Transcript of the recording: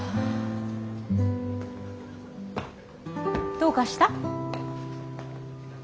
どうかした？